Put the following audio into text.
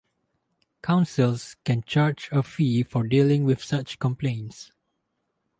Councils can charge a fee for dealing with such complaints.